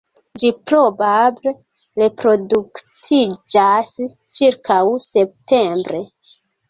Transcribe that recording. Ĝi probable reproduktiĝas ĉirkaŭ septembre.